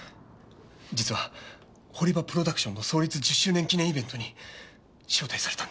実は堀場プロダクションの創立１０周年記念イベントに招待されたんです。